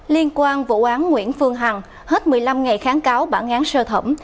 liên quan vụ án nguyễn phương hằng hết một mươi năm ngày kháng cáo bản án sơ thẩm